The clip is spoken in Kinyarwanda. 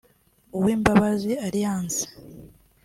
Uwimbabazi Aliance